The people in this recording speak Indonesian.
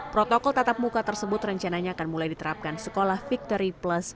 protokol tatap muka tersebut rencananya akan mulai diterapkan sekolah victory plus